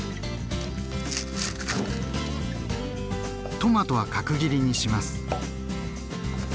トマトは角切りにします。